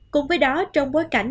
cùng với đó trong bối cảnh